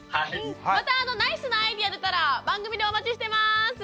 またナイスなアイデア出たら番組でお待ちしてます。